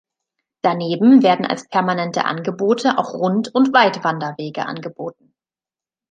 Daneben werden als permanente Angebote auch Rund- und Weitwanderwege angeboten.